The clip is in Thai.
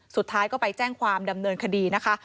สุดท้ายก็ไปแจ้งความดำเนินคดีนะคะ